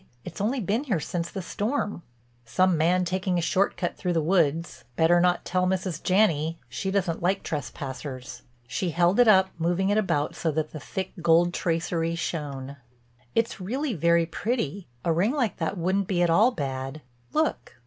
It's only been here since the storm." "Some man taking a short cut through the woods. Better not tell Mrs. Janney, she doesn't like trespassers." She held it up, moving it about so that the thick gold tracery shone: "It's really very pretty. A ring like that wouldn't be at all bad. Look!"